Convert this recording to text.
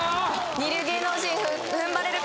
二流芸能人ふんばれるか？